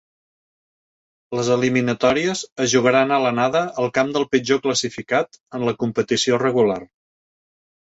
Les eliminatòries es jugaran a l'anada al camp del pitjor classificat en la competició regular.